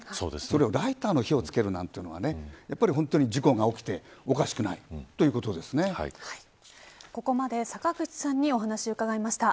それをライターの火をつけるなんて言うのは本当に事故が起きてここまで坂口さんにお話を伺いました。